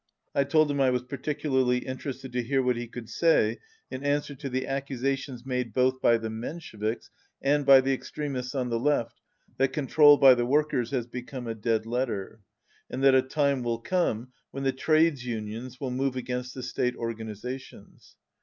I told him I was particularly inter ested to hear what he could say in answer to the accusations made both by the Mensheviks and by the Extremists on the Left that control by the workers has become a dead letter, and that a time will come when the trades unions will move against the state organizations.